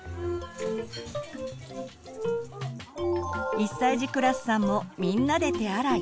１歳児クラスさんもみんなで手洗い。